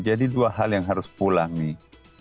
jadi dua hal yang harus pulang nih